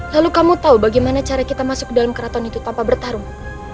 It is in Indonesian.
lalu kamu tahu bagaimana cara kita masuk ke dalam keraton itu tanpa bertarung